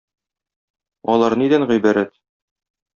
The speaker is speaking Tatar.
Алар нидән гыйбарәт?